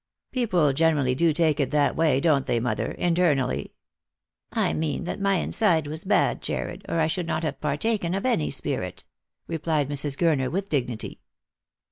" People generally do take it that way, don't they, mother, internally ?"" I mean that my inside was bad, Jarred, or I should not have partaken of any spirit," replied Mrs. Gurner with dignity.